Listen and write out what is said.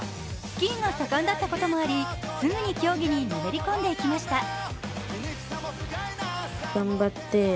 スキーが盛んだったこともありすぐに競技にのめり込んでいきました。